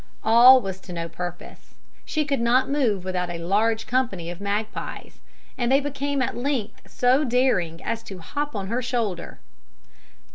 All was to no purpose. She could not move without a large company of magpies; and they became at length so daring as to hop on her shoulder."